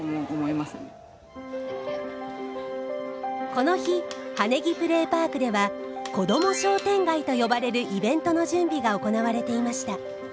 この日羽根木プレーパークでは子ども商店街と呼ばれるイベントの準備が行われていました。